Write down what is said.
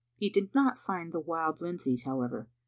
He did not find the Wild Lindsays, however.